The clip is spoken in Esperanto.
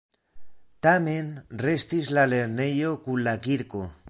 Tamen restis la lernejo kun la kirko.